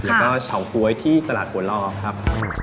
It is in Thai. แล้วก็เฉากร้วยที่ตลาดบวนรอบครับ